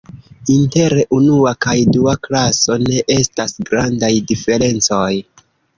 Inter unua kaj dua klaso ne estas grandaj diferencoj.